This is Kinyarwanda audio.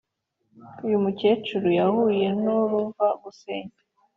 uyu mukecuru yahuye n’uruva gusenya